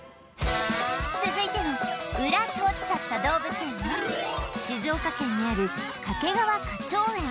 続いてのウラ撮っちゃった動物園は静岡県にある掛川花鳥園